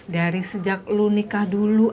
dari sejak lu nikah dulu